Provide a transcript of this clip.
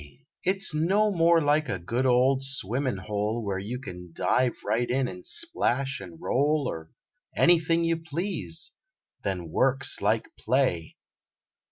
It s no more like a good old swimmin hole Where you can dive right in and splash and roll Or anything you please, than work s like play!